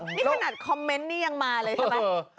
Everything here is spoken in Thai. นี่ขนาดคอมเมนต์นี่ยังมาเลยใช่ไหม